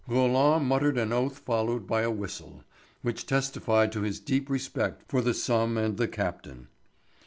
Roland muttered an oath followed by a whistle, which testified to his deep respect for the sum and the captain.